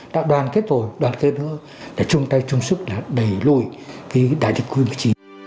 đã đoàn kết rồi đoàn kết nữa để chung tay chung sức đẩy lùi đại dịch covid một mươi chín